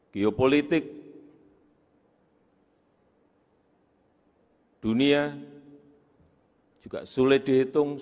geopolitik dunia juga sulit dihitung beginning too black and blue